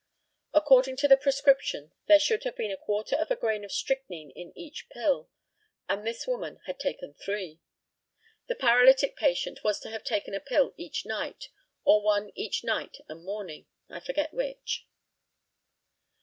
According to the prescription there should have been a quarter of a grain of strychnine in each pill, and this woman had taken three. The paralytic patient was to have taken a pill each night, or one each night and morning, I forget which.